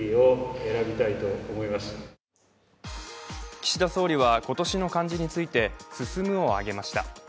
岸田総理は今年の漢字について「進」を挙げました。